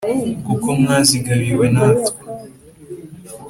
Kuko mwazigabiwe na twe!